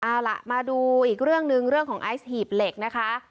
เอาล่ะมาดูอีกเรื่องหนึ่งเรื่องของไอซ์หีบเหล็กนะคะ